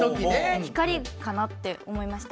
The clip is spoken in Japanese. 光かなって思いました。